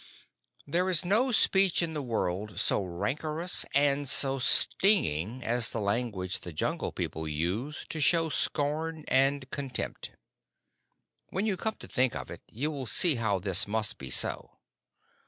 There is no speech in the world so rancorous and so stinging as the language the Jungle People use to show scorn and contempt. When you come to think of it you will see how this must be so.